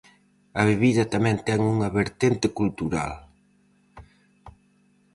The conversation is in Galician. A bebida tamén ten unha vertente cultural.